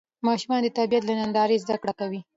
ماشومان د طبیعت له نندارې زده کړه کوي